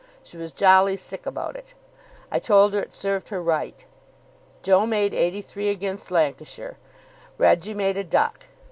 She was jolly sick about it. I told her it served her right. Joe made eighty three against Lancashire. Reggie made a duck.